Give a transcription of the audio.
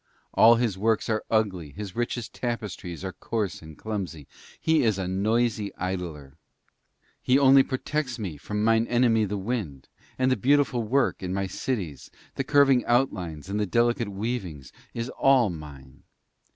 All his works are ugly, his richest tapestries are coarse and clumsy. He is a noisy idler. He only protects me from mine enemy the wind; and the beautiful work in my cities, the curving outlines and the delicate weavings, is all mine.